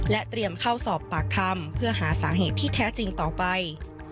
เตรียมเข้าสอบปากคำเพื่อหาสาเหตุที่แท้จริงต่อไป